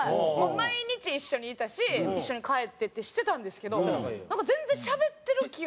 毎日一緒にいたし一緒に帰ってってしてたんですけど全然しゃべってる記憶が。